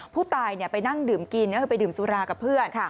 ผู้ตายไปนั่งดื่มกินก็คือไปดื่มสุรากับเพื่อน